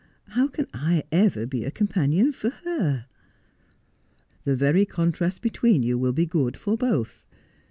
How can I ever be a companion for her 1 '' The very contrast between you will be good for both.